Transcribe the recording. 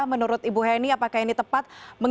menurut ibu heni apakah ini tepat